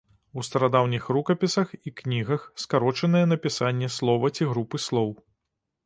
У старадаўніх рукапісах і кнігах скарочанае напісанне слова ці групы слоў.